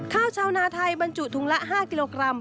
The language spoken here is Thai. ข้าวชาวนาไทยบรรจุถุงละ๕กิโลกรัม